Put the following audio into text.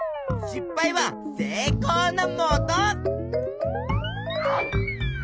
失敗は成功のもと！